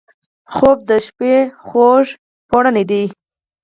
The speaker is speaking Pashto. خوب د شپه خوږ څادر دی